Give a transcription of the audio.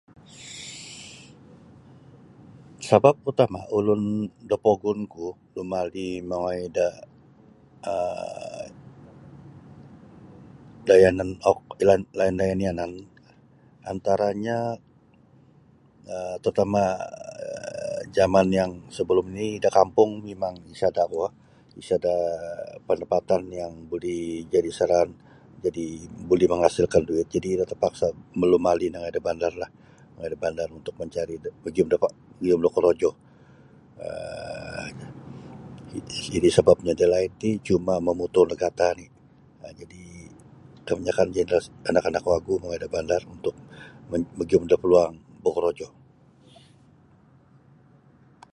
Sabab utama ulun da pogun ku lumali mongoi da um da yanan lain-lain yanan antaranya um terutama um jaman yang sebelum ni da kampung mimang isada kuo isada pandapatan yang buli jadi saraan jadi buli mangasilkan duit jadi iro terpaksa malumali nongoi da bandarlah mongoi da bandar untuk mencari pagium magium da korojo um iti sababnyo dalaid ri cuma mamutul da gata oni um jadi iti kabanyakan generasi anak-anak wagu mongoi da bandar untuk magium da paluang bokorojo.